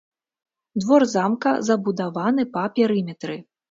Двор замка забудаваны па перыметры.